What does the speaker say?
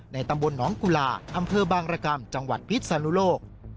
ตำบลหนองกุลาอำเภอบางรกรรมจังหวัดพิษนุโลก